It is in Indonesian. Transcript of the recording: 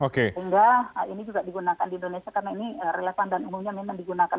sehingga ini juga digunakan di indonesia karena ini relevan dan umumnya memang digunakan